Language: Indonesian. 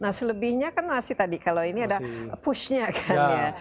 nah selebihnya kan masih tadi kalau ini ada pushnya kan ya